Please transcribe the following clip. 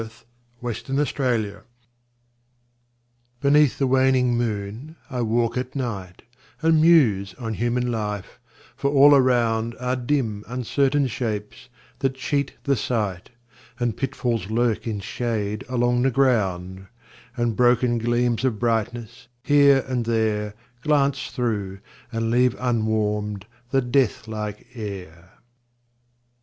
THE JOURNEY OF LIFE. Beneath the waning moon I walk at night, And muse on human life for all around Are dim uncertain shapes that cheat the sight, And pitfalls lurk in shade along the ground, And broken gleams of brightness, here and there, Glance through, and leave unwarmed the death like air.